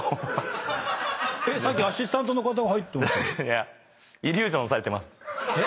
さっきアシスタントの方が入って。